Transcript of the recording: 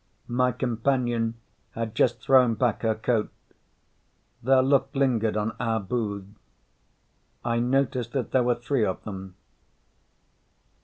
My companion had just thrown back her coat. Their look lingered on our booth. I noticed that there were three of them.